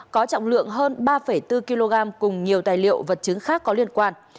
có trọng lượng hơn ba bốn kg cùng nhiều tài liệu vật chứng khác có liên quan